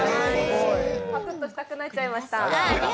パクッとしたくなっちゃいました。